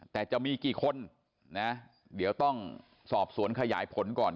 แต่จะมีกี่คนนะเดี๋ยวต้องสอบสวนขยายผลก่อน